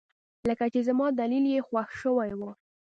لکه چې زما دليل يې خوښ شوى و.